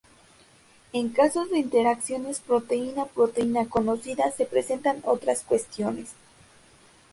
En casos de interacciones proteína-proteína conocidas, se presentan otras cuestiones.